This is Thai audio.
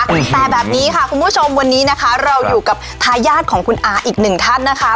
แต่แบบนี้ค่ะคุณผู้ชมวันนี้นะคะเราอยู่กับทายาทของคุณอาอีกหนึ่งท่านนะคะ